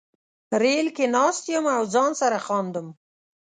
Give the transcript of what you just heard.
ریل کې ناست یم او ځان سره خاندم